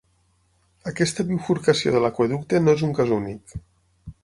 Aquesta bifurcació de l'aqüeducte no és un cas únic.